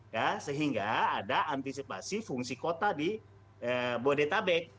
ya sehingga ada antisipasi fungsi kota di bodetabek